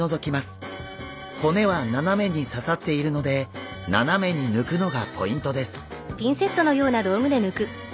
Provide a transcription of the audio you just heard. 骨はななめにささっているのでななめに抜くのがポイントです。